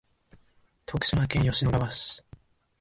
徳島県吉野川市